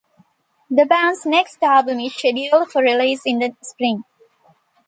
The band's next album is scheduled for release in the spring.